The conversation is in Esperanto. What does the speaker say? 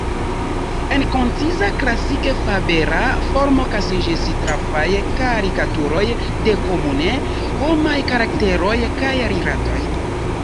En konciza, klasike fabela formo kaŝiĝis trafaj karikaturoj de komune homaj karakteroj kaj rilatoj.